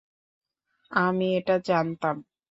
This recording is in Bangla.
আমি এটা জানতাম!